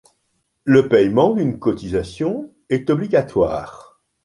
Le paiement d'une cotisation est obligatoire.